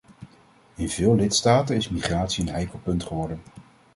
In veel lidstaten is migratie een heikel punt geworden.